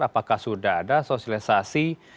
apakah sudah ada sosialisasi